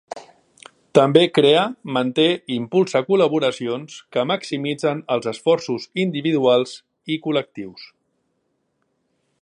També crea, manté i impulsa col·laboracions que maximitzen els esforços individuals i col·lectius.